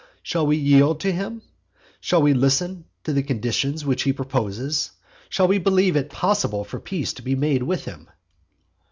Shall we yield to him? Shall we listen to the conditions which he proposes? Shall we believe it possible for peace to be made with him?